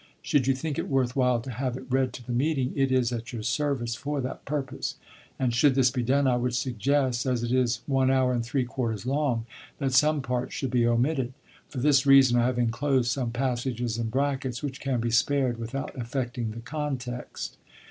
Should you think it worth while to have it read to the meeting, it is at your service for that purpose; and, should this be done, I would suggest, as it is one hour and three quarters long, that some parts should be omitted. For this reason I have inclosed some passages in brackets, which can be spared without affecting the context."